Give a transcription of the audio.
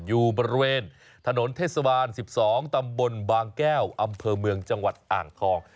อยู่บริเวณถนนเทศบาล๑๒ตำบลบางแก้วอำเภอเมืองจังหวัดอ่างทอง